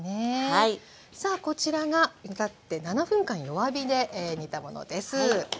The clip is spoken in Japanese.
さあこちらが煮立って７分間弱火で煮たものです。